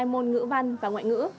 hai môn ngữ văn và ngoại ngữ